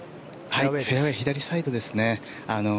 フェアウェー左サイドですね。